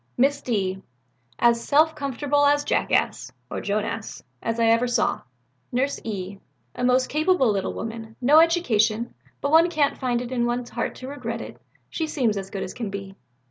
"Miss D. As self comfortable a jackass (or Joan ass) as ever I saw." "Nurse E. A most capable little woman, no education, but one can't find it in one's heart to regret it, she seems as good as can be."